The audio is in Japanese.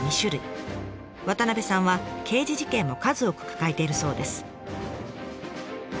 渡さんは刑事事件も数多く抱えているそうです。